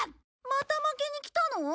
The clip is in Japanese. また負けに来たの？